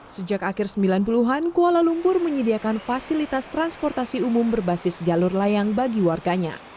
sejak akhir sembilan puluh an kuala lumpur menyediakan fasilitas transportasi umum berbasis jalur layang bagi warganya